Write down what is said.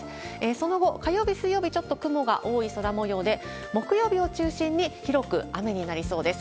その後、火曜日、水曜日、ちょっと雲が多い空もようで、木曜日を中心に、広く雨になりそうです。